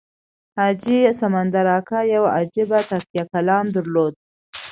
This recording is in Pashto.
حاجي سمندر اکا یو عجیب تکیه کلام درلود.